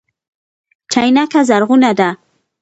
چينکه زرغونه ده